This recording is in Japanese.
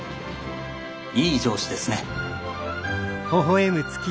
いい上司ですね。